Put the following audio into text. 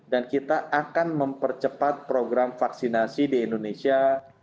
dan kita akan mempercepat program vaksinasi di indonesia